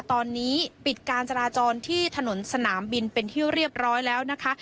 ตอนนี้ปิดการจราจรที่ถนนสนามบินเป็นที่เรียบร้อยแล้วนะคะ